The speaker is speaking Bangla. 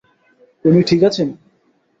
উনি ঠিক আছেন?